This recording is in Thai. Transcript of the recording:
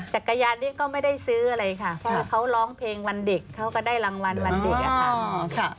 จักรยานนี้ก็ไม่ได้ซื้ออะไรค่ะเพราะเขาร้องเพลงวันเด็กเขาก็ได้รางวัลวันเด็กอะค่ะ